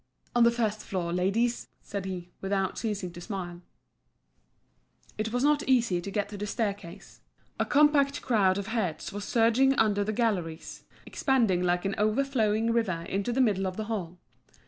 "On the first floor, ladies," said he, without ceasing to smile. It was no easy matter to get to the staircase. A compact crowd of heads was surging under the galleries, expanding like an overflowing river into the middle of the hall.